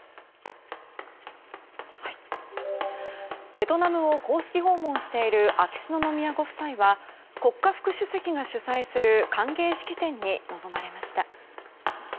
ベトナムを公式訪問している秋篠宮ご夫妻は国家副主席が主催する歓迎式典に臨まれました。